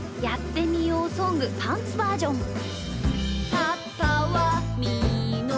「やってみようソングパンツバージョン」。